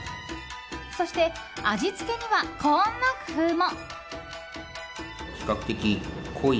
そして、味付けにはこんな工夫も。